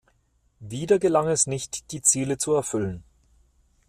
Wieder gelang es nicht, die Ziele zu erfüllen.